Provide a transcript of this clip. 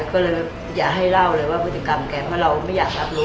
ก็เลยอย่าให้เล่าเลยว่าพฤติกรรมแกเพราะเราไม่อยากรับรู้